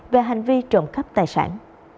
về hành vi trộm cắp tài sản